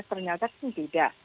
ternyata sih tidak